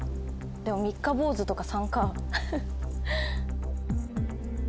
でも「三日坊主」とか「三」か。